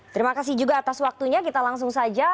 terima kasih juga atas waktunya kita langsung saja